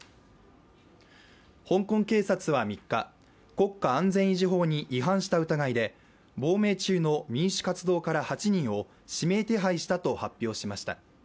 香港警察は３日、国家安全維持法に違反した疑いで、亡命中の民主活動家ら８人を指名手配したと発表しました。